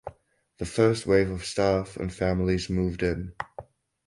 The first wave of staff and families moved in.